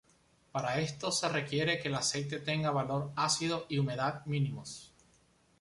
Para esto se requiere que el aceite tenga valor ácido y humedad mínimos.